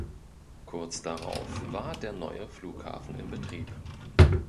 Kurz darauf war der neue Flughafen in Betrieb.